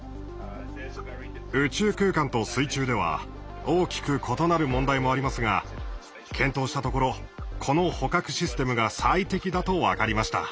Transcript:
宇宙空間と水中では大きく異なる問題もありますが検討したところこの捕獲システムが最適だと分かりました。